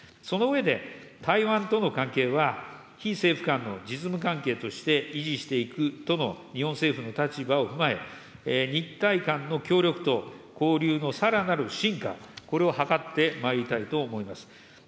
その上で、台湾との関係は、非政府間の実務関係として維持していくとの日本政府の立場を踏まえ、日台間の協力と交流のさらなる深化、これを図ってまいりたいと思います。